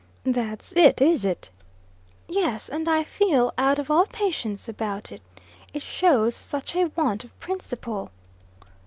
"That's it is it?" "Yes. And I feel out of all patience about it. It shows such a want of principle."